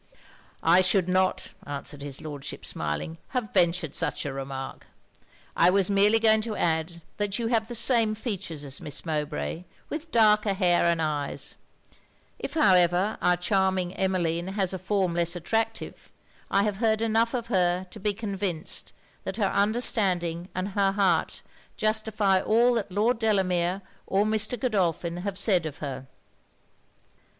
'I should not,' answered his Lordship smiling, 'have ventured such a remark. I was merely going to add that you have the same features as Miss Mowbray, with darker hair and eyes; if however our charming Emmeline had a form less attractive, I have heard enough of her to be convinced that her understanding and her heart justify all that Lord Delamere or Mr. Godolphin have said of her.'